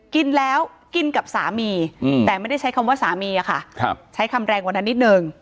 กินแล้วกินกับสามีแต่ไม่ได้ใช้คำว่าสามีอะค่ะใช้คำแรงกว่านั้นนิดนึง